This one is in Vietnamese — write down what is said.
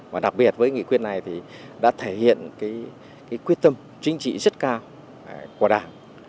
và đặc biệt với nghị quyết này thì đã thể hiện quyết tâm chính trị rất cao của đảng